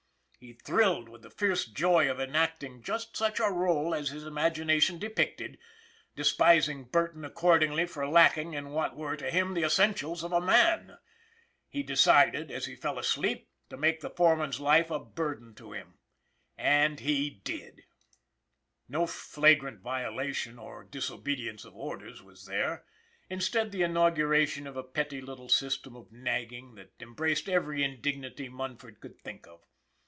He thrilled with the fierce joy of enacting just such a role as his imagination depicted, despising Burton accordingly for lacking in what were, to him, the essentials of a man. He decided, as he fell asleep, to make the fore man's life a burden to him and he did. 334 ON THE IRON AT BIG CLOUD. No flagrant violation or disobedience of orders was there, instead the inauguration of a petty little system of nagging that embraced every indignity Munford could think of.